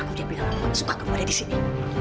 aku punya pilihan nomor supaya kamu ada disini